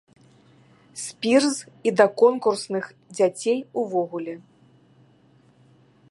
Спірз і да конкурсных дзяцей увогуле.